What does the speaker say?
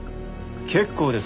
結構です。